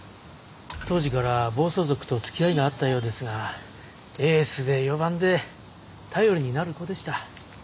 当時から暴走族とつきあいがあったようですがエースで４番で頼りになる子でした。